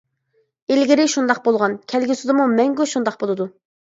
ئىلگىرى شۇنداق بولغان، كەلگۈسىدىمۇ مەڭگۈ شۇنداق بولىدۇ.